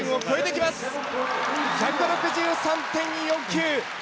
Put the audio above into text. １６３．４９！